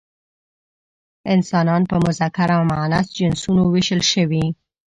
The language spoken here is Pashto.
انسانان په مذکر او مؤنث جنسونو ویشل شوي.